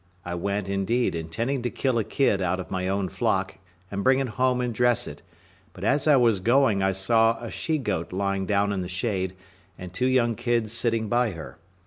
I went, indeed, intending to kill a kid out of my own flock; and bring it home and dress it; but as I was going I saw a she goat lying down in the shade, and two young kids sitting by her.